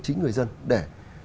chính người dân để